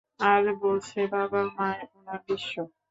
আর বলছে বাবা-মায় উনার বিশ্ব।